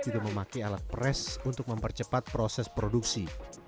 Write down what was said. juga memakai alat pres untuk mempercepat proses produksi